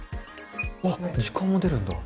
おっ、時間も出るんだ。